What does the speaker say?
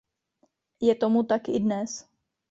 Je tomu tak i dnes.